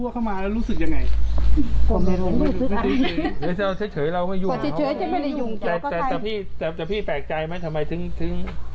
ก็พี่แปลกใจไหมทำไมถึง